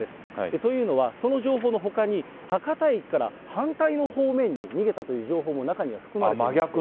というのは、その情報のほかに、博多駅から反対の方面に逃げたという情報も中には含まれているん真逆の？